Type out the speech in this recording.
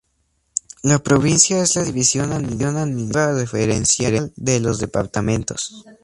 La provincia es la división administrativa referencial de los departamentos.